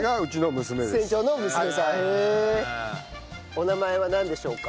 お名前はなんでしょうか？